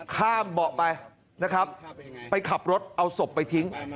เบาะไปนะครับไปขับรถเอาศพไปทิ้ง